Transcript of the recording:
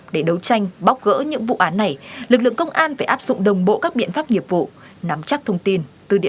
để đấu tranh bóc gỡ những vụ án này lực lượng công an phải áp dụng đồng bộ các biện pháp nghiệp vụ nắm chắc thông tin